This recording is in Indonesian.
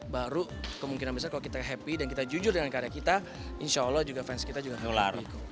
baru kemungkinan besar kalau kita happy dan kita jujur dengan karya kita insya allah juga fans kita juga mau lari